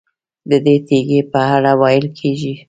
ددې تیږې په اړه ویل کېږي.